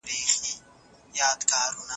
که مطالعه ولرئ نو په خپل دریځ کي به تندي نه کوئ.